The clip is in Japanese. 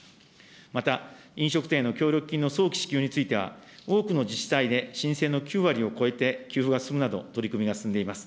また飲食店への協力金の早期支給については、多くの自治体で申請の９割を超えて給付が進むなど、取り組みが進んでいます。